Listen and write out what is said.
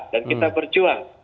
dan kita berjuang